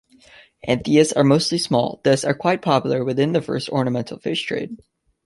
Anthias are mostly small, thus are quite popular within the ornamental fish trade.